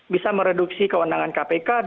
bisa mereduksi keundangan kpk